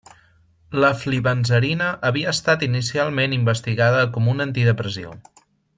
La flibanserina havia estat inicialment investigada com un antidepressiu.